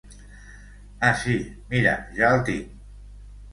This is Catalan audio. Ah sí, mira ja el tinc.